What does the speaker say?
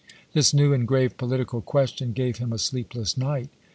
This new and grave political question gave him a sleepless night.